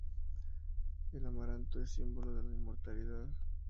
El amaranto es símbolo de la inmortalidad.